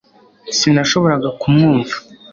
sinashoboraga kumwumva